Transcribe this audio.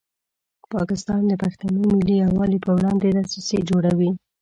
پاکستان د پښتنو ملي یووالي په وړاندې دسیسې جوړوي.